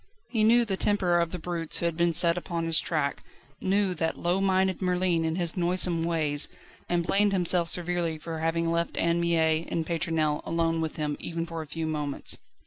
He knew the temper of the brutes who had been set upon his track, knew that low minded Merlin and his noisome ways, and blamed himself severely for having left Anne Mie and Pétronelle alone with him even for a few moments.